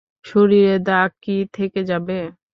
শরীরে দাগ কী থেকে যাবে?